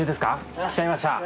来ちゃいました。